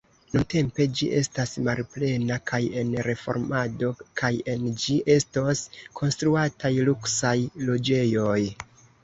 Nuntempe ĝi estas malplena kaj en reformado, kaj en ĝi estos konstruataj luksaj loĝejoj.